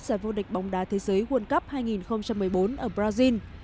giải vô địch bóng đá thế giới world cup hai nghìn một mươi bốn ở brazil